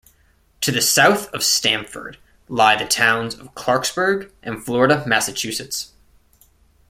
To the south of Stamford lie the towns of Clarksburg and Florida, Massachusetts.